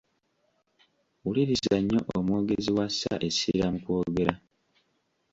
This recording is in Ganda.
Wuliriza nnyo omwogezi w’assa essira mu kwogera.